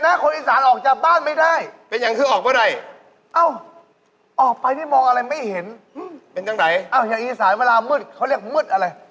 แล้วหลังเที่ยงนะคนอีสานนี่ก็แห้งแรงกันดาล